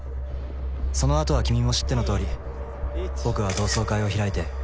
そのあとは君も知ってのとおり僕は同窓会を開いて。